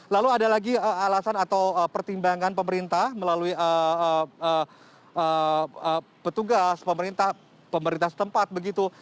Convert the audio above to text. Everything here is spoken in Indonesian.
lalu ada lagi alasan atau pertimbangan pemerintah melalui petugas pemerintah setempat begitu